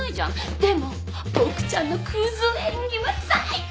でもボクちゃんのクズ演技は最高！